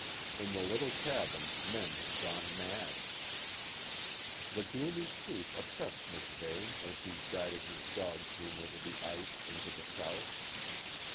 In the little cabin men have gone mad. The gloomy truth oppressed MacVeigh as he guided his dog team over the ice into the south.